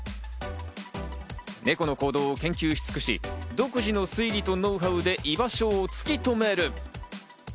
ネコの行動を研究し尽くし、独自の推理とノウハウで居場所を突き止める。